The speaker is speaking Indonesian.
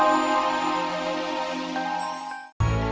mama buka air mama